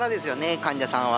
患者さんは。